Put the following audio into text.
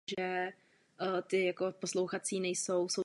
Objevují se tak velké servery.